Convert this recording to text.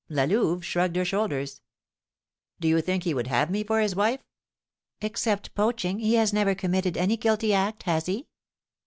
'" La Louve shrugged her shoulders. "Do you think he would have me for his wife?" "Except poaching, he has never committed any guilty act, has he?"